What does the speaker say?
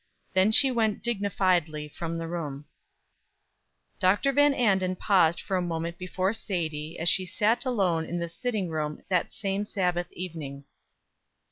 Then she went dignifiedly from the room. Dr. Van Anden paused for a moment before Sadie, as she sat alone in the sitting room that same Sabbath evening.